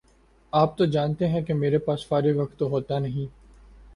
آپ تو جانتے ہیں کہ میرے باس فارغ وقت تو ہوتا نہیں